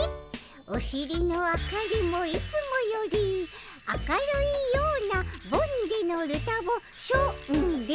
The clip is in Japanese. おしりの明かりもいつもより明るいようなボんでのルタボしょんで！